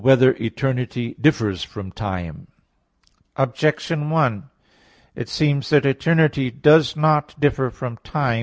4] Whether Eternity Differs from Time? Objection 1: It seems that eternity does not differ from time.